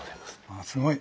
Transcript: あっすごい。